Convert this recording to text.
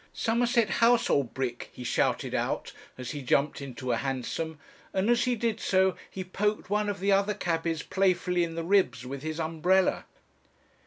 "'Somerset House, old brick!' he shouted out, as he jumped into a hansom, and as he did so he poked one of the other cabbies playfully in the ribs with his umbrella.